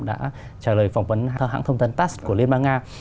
đã trả lời phỏng vấn hãng thông tấn tas của liên bang nga